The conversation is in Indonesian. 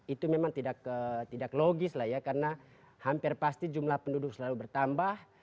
itu memang tidak logis lah ya karena hampir pasti jumlah penduduk selalu bertambah